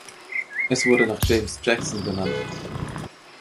Es wurde nach James Jackson benannt.